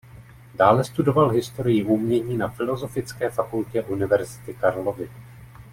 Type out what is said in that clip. Dále studoval historii umění na filosofické fakultě Univerzity Karlovy.